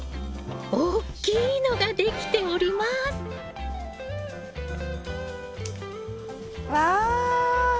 大きいのができております！わ！